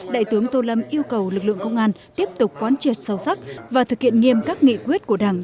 đại tướng tô lâm yêu cầu lực lượng công an tiếp tục quan triệt sâu sắc và thực hiện nghiêm các nghị quyết của đảng